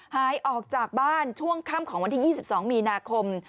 หายออกจากบ้านช่วงค่ำของวันที่๒๒มีนาคม